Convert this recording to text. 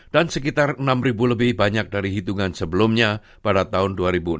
dan sekitar enam ribu lebih banyak dari hitungan sebelumnya pada tahun dua ribu enam belas